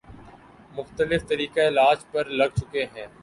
مختلف طریقہ علاج پر لگ چکے ہیں